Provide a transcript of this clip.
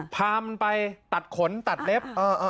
พามันไปตัดขนตัดเล็บ